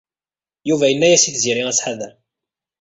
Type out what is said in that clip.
Yuba yenna-as i Tiziri ad tḥader.